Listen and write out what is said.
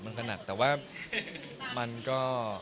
มันก็หนักแต่ว่ามันก็